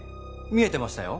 見えてましたよ。